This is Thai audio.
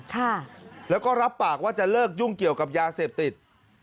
ค่ะแล้วก็รับปากว่าจะเลิกยุ่งเกี่ยวกับยาเสพติด